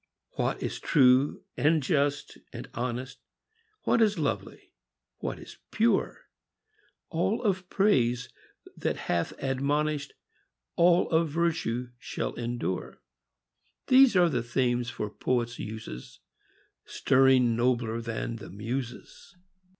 What is true and just and honest, What is lovely, what is pure, — All of praise that hath admonish'd, All of virtue, shall endure, — These are themes for poets' uses, Stirring nobler than the Muses.